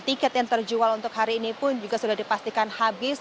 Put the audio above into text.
tiket yang terjual untuk hari ini pun juga sudah dipastikan habis